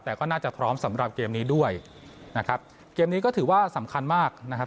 แต่ก็น่าจะพร้อมสำหรับเกมนี้ด้วยนะครับเกมนี้ก็ถือว่าสำคัญมากนะครับ